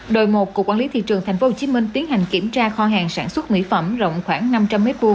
đội một của quản lý thị trường tp hcm tiến hành kiểm tra kho hàng sản xuất mỹ phẩm rộng khoảng năm trăm linh m hai